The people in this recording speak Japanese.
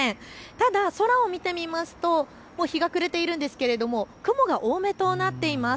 ただ空を見てみますともう日が暮れているんですけれども雲が多めとなっています。